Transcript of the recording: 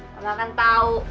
kamu kan tau